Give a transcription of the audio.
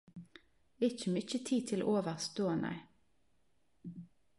Ikkje mykje tid til overs då nei.